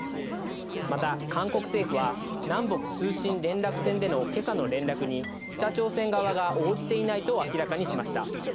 また、韓国政府は南北通信連絡線での今朝の連絡に北朝鮮側が応じていないと明らかにしました。